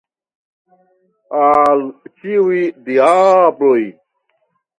Al ĉiuj diabloj!